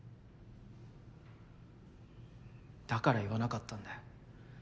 だから言わなかったんだよ。